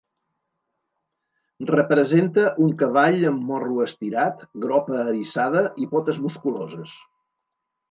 Representa un cavall amb morro estirat, gropa eriçada i potes musculoses.